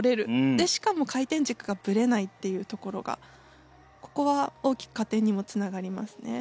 でしかも回転軸がブレないっていうところがここは大きく加点にもつながりますね。